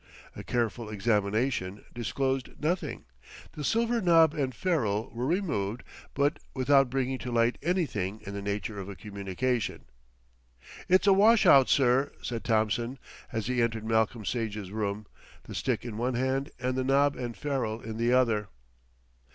A careful examination disclosed nothing. The silver nob and ferrule were removed; but without bringing to light anything in the nature of a communication. "It's a wash out, sir," said Thompson, as he entered Malcolm Sage's room, the stick in one hand and the knob and ferrule in the other.